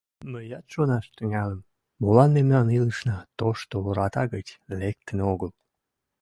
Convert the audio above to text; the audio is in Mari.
Мыят шонаш тӱҥальым: молан мемнан илышна тошто ората гыч лектын огыл?